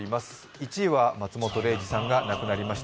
１位は、松本零士さんが亡くなりました。